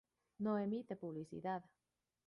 No emite publicidad.